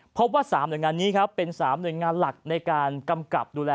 พบว่า๓หน่วยงานนี้ครับเป็น๓หน่วยงานหลักในการกำกับดูแล